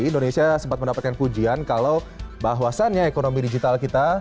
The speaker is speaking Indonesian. indonesia sempat mendapatkan pujian kalau bahwasannya ekonomi digital kita